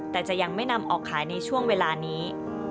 แต่จะยังไม่นำออกขายในช่วงเวลานี้